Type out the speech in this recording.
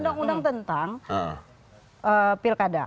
undang undang tentang pilkada